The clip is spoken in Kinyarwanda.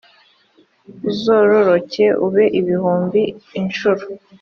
uzororoke ube ibihumbi incuro